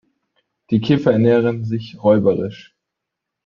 Die Käfer ernähren sich räuberisch.